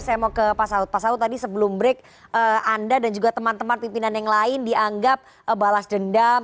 saya mau ke pak saud pak saud tadi sebelum break anda dan juga teman teman pimpinan yang lain dianggap balas dendam